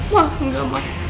ma enggak ma